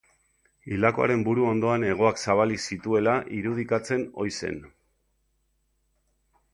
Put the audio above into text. Hildakoaren buru ondoan hegoak zabalik zituela irudikatzen ohi zen.